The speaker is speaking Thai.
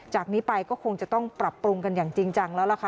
จากนี้ไปก็คงจะต้องปรับปรุงกันอย่างจริงจังแล้วล่ะค่ะ